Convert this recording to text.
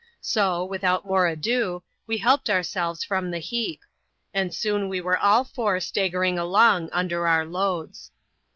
So, without more ado, we helped ourselves from the heap ; and soon we were all four staggering along under our loads.